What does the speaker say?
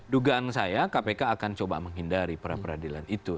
dugaan saya kpk akan coba menghindari pra peradilan itu